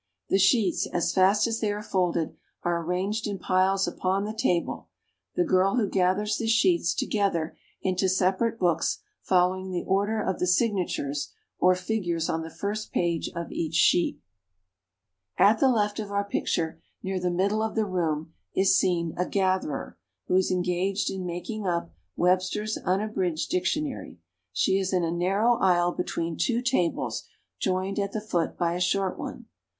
The sheets, as fast as they are folded, are arranged in piles upon the table, the girl who gathers the sheets together into separate books following the order of the signatures, or figures on the first page of each sheet. [Illustration: Sewing.] At the left of our picture, near the middle of the room, is seen a gatherer, who is engaged in making up "Webster's Unabridged Dictionary." She is in a narrow isle between two tables, joined at the foot by a short one.